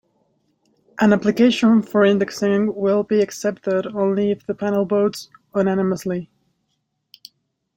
An application for indexing will be accepted only if the panel votes unanimously.